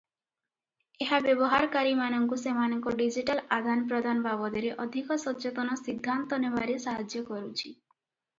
ଏହା ବ୍ୟବହାରକାରୀମାନଙ୍କୁ ସେମାନଙ୍କ ଡିଜିଟାଲ ଆଦାନପ୍ରଦାନ ବାବଦରେ ଅଧିକ ସଚେତନ ସିଦ୍ଧାନ୍ତ ନେବାରେ ସାହାଯ୍ୟ କରୁଛି ।